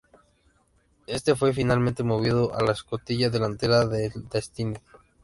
Este fue finalmente movido a la escotilla delantera del "Destiny".